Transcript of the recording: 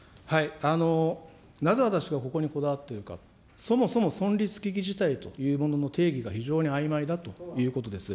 なぜ私がここにこだわっているか、そもそも存立危機事態の定義が非常にあいまいだということです。